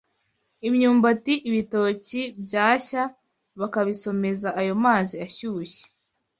imyumbati, ibitoki byashya bakabisomeza ayo mazi ashyushye